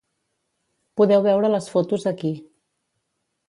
Podeu veure les fotos aquí.